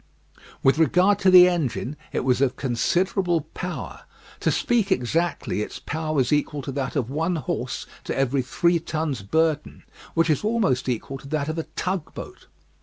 With regard to the engine, it was of considerable power. To speak exactly, its power was equal to that of one horse to every three tons burden, which is almost equal to that of a tugboat.